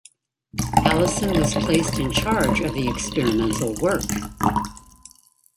Allison was placed in charge of the experimental work.